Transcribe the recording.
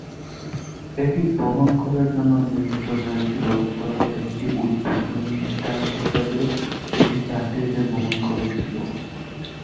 এটি বহন করার জন্য নির্মিত হয়েছিল, তবে একটি উদ্বোধনী স্টান্ট হিসাবে এটি যাত্রীদের বহন করেছিল।